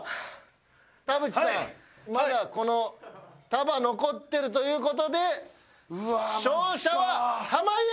田渕さんまだこの束残ってるという事で勝者は濱家！